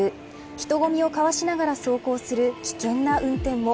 人混みをかわしながら走行する危険な運転も。